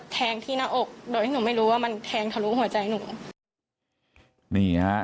แทงที่หน้าอกโดยที่หนูไม่รู้ว่ามันแทงทะลุหัวใจหนูนี่ฮะ